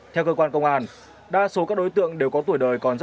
theo cơ quan công an đa số các đối tượng đều có tuổi đời còn rất trẻ